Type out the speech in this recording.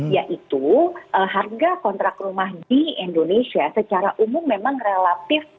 yaitu harga kontrak rumah di indonesia secara umum memang relatif